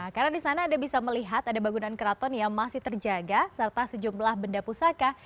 karena di sana anda bisa melihat ada bangunan keraton yang masih terjaga serta sejumlah benda pusaka